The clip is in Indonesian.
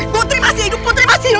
putri masih hidup putri masih hidup